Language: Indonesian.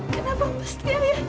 kenapa pasti ayahnya andre